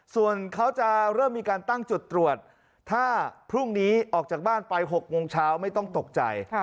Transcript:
ส่วนเขาจะเริ่มมีการตั้งจุดตรวจถ้าพรุ่งนี้ออกจากบ้านไป๖โมงเช้าไม่ต้องตกใจ